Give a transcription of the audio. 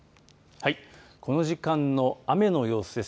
この時間の雨の様子です。